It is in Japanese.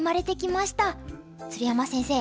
鶴山先生